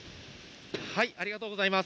ありがとうございます。